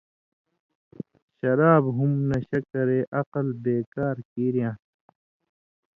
شراب ہُم نشہ کرے عقل بے کار کیریان٘س